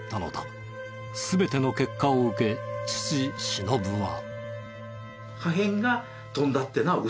全ての結果を受け父忍は。